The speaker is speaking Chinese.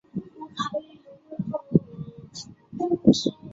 我们有一只小狗